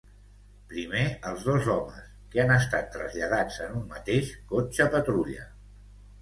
Primer els dos homes, que han estat traslladats en un mateix cotxe patrulla.